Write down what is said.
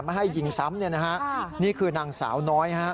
ไม่ให้วิ่งซ้ำนี่คือนางสาวน้อย